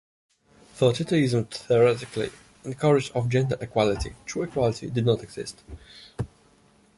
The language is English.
Though Titoism theoretically encouraged of gender equality, true equality did not exist.